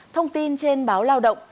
thông tin trên báo lao động